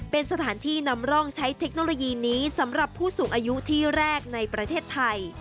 เป็นสถานที่นำร่องใช้เทคโนโลยีนี้สำหรับผู้สูงอายุที่แรกในประเทศไทย